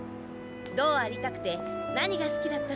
どうありたくて何が好きだったのか。